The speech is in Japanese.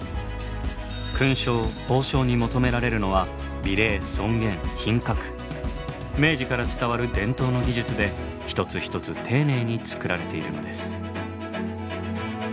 勲章・褒章に求められるのは明治から伝わる伝統の技術で一つ一つ丁寧に造られているのです。